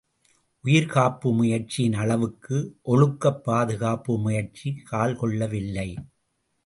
உயிர் காப்பு முயற்சியின் அளவுக்கு ஒழுக்கப் பாதுகாப்பு முயற்சி கால்கொள்ளவில்லை.